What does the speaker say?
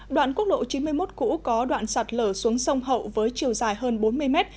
đoạn quốc lộ chín mươi một cũ có đoạn sạt lở xuống sông hậu với chiều dài hơn bốn mươi mét